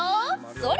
それ！